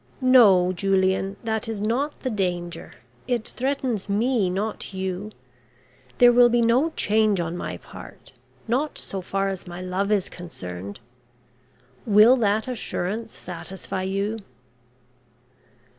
"No, Julian, that is not the danger it threatens me, not you. There will be no change on my part, not so far as my love is concerned. Will that assurance satisfy you?"